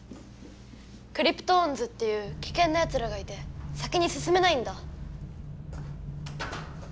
クリプトオンズっていうきけんなやつらがいて先にすすめないんだ。